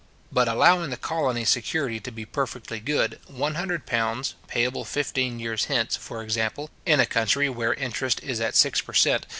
But allowing the colony security to be perfectly good, £100, payable fifteen years hence, for example, in a country where interest is at six per cent.